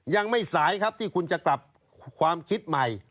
ยังไม่สายครับที่คุณจะกลับความคิดใหม่